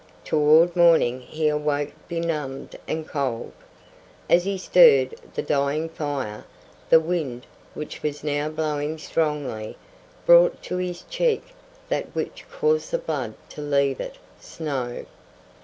Toward morning he awoke benumbed and cold. As he stirred the dying fire, the wind, which was now blowing strongly, brought to his cheek that which caused the blood to leave it snow!